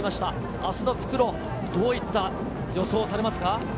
明日の復路、どういった予想をされますか？